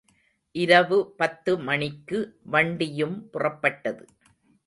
இரவு பத்து மணிக்கு வண்டியும் புறப்பட்டது.